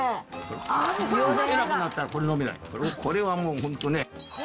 これはもうホントね。